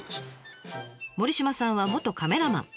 森島さんは元カメラマン。